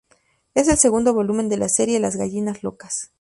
Es el segundo volumen de la serie "Las Gallinas Locas".